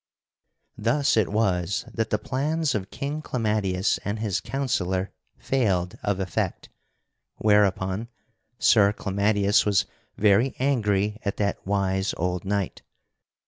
Thus it was that the plans of King Clamadius and his counsellor failed of effect, whereupon Sir Clamadius was very angry at that wise old knight.